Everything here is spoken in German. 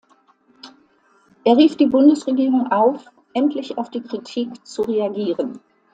Er rief die Bundesregierung auf, endlich auf die Kritik zu reagieren.